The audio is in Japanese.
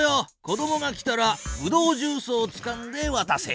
子どもが来たらブドウジュースをつかんでわたせ。